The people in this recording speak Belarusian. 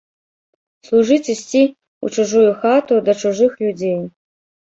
Служыць ісці ў чужую хату, да чужых людзей.